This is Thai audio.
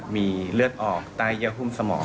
มีเลือดออกใต้เยื่อหุ้มสมอง